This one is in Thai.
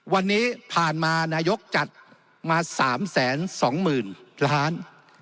วันนี้ผ่านมานายกจัดมา๓๒๐๐๐ล้าน